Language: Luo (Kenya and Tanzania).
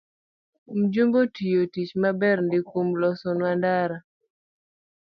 Mjumbe otimo tich maber ndii kuom loso nwa ndara